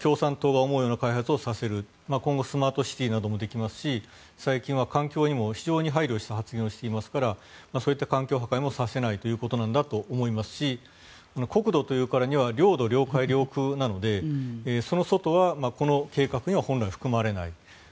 共産党が思うような開発をさせる今後、スマートシティーなどもできますし最近は環境にも非常に配慮した発言もしていますからそういった環境破壊もさせないということなんだと思いますし国土というからには領土・領海・領空なのでその外はこの計画には本来含まれない。